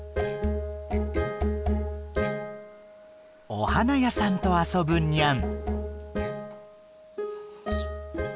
お花屋さんと遊ぶニャン。